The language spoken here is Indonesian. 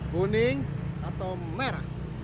kuning atau merah